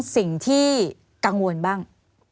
สิ่งที่กังวลบ้าง